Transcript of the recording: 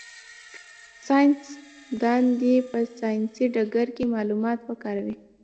ساینس دان دي په ساینسي ډګر کي معلومات وکاروي.